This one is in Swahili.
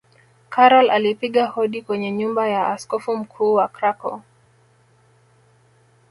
karol alipiga hodi kwenye nyumba ya askofu mkuu wa Krakow